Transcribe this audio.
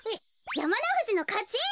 やまのふじのかち！